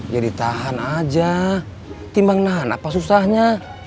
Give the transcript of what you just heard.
jadi tahan aja timbang nahan apa susahnya